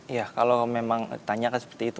iya kalau memang ditanyakan seperti itu